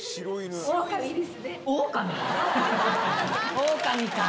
オオカミか。